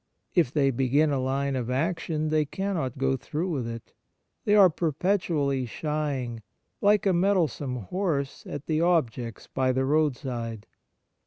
If they begin a Une of action, they cannot go through with it. They are per petually shying, like a mettlesome horse, at the objects by the roadside.